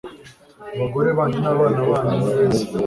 abagore banyu n'abana banyu ni beza